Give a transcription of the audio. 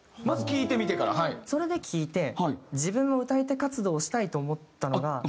まず「聴いてみて」から。それで聴いて自分も歌い手活動したいと思ったのが。